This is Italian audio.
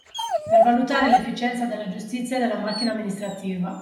Per valutare l’efficienza della giustizia e della macchina amministrativa